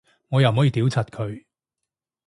我又唔可以屌柒佢